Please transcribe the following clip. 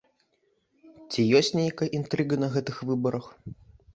Ці ёсць нейкая інтрыга на гэтых выбарах?